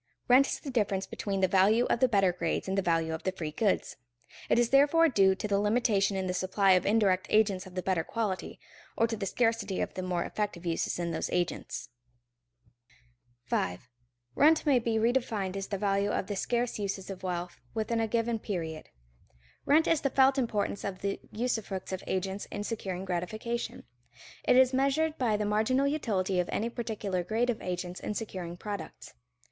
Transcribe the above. Rent is the difference between the value of the better grades and the value of the free goods. It is therefore due to the limitation in the supply of indirect agents of the better quality, or to the scarcity of the more effective uses in those agents. [Sidenote: Restatement of rent, economic and contract] [Sidenote: Economic rent is primary] 5. Rent may be redefined as the value of the scarce uses of wealth within a given period. Rent is the felt importance of the usufructs of agents in securing gratification. It is measured by the marginal utility of any particular grade of agents in securing products.